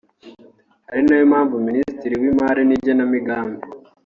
ari nayo mpamvu Minisitiri w’Imari n’igenamigambi